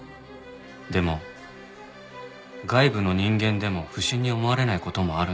でも外部の人間でも不審に思われない事もあるんだよ。